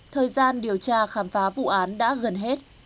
thời gian điều tra khám phá vụ án đã gần hết